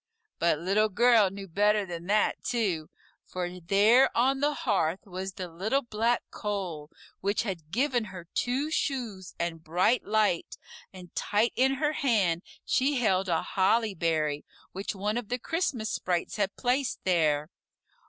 But Little Girl knew better than that, too, for there on the hearth was the little Black Coal, which had given her Two Shoes and Bright Light, and tight in her hand she held a holly berry which one of the Christmas Sprites had placed there.